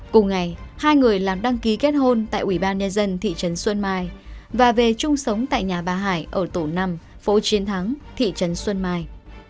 cùng ngày hai người làm đăng ký kết hôn tại ủy ban nhân dân thị trấn xuân mai và về chung sống tại nhà bà hải ở tổ năm phố chiến thắng thị trấn xuân mai